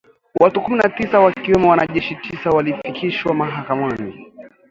Watu kumi na tisa wakiwemo wanajeshi tisa walifikishwa mahakamani